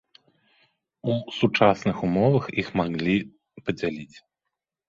У сучасных умовах іх маглі падзяліць.